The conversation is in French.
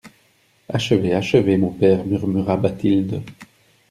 Achevez, achevez, mon père, murmura Bathilde.